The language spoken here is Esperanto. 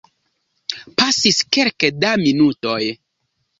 Pasis kelke da minutoj.